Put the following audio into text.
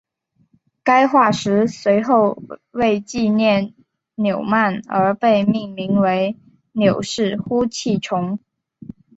该化石随后为纪念纽曼而被命名为纽氏呼气虫。